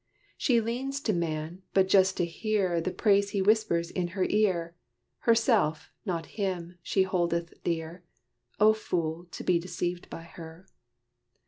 She leans to man but just to hear The praise he whispers in her ear, Herself, not him, she holdeth dear O fool! to be deceived by her.